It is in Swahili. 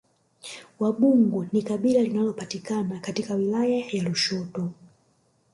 Wambugu ni kabila linalopatikana katika wilaya ya Lushoto